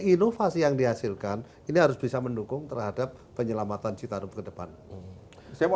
inovasi yang dihasilkan ini harus bisa mendukung terhadap penyelamatan citarum ke depan saya mau